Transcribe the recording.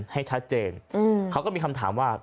ให้ชัดเจนเขาก็มีคำถามว่า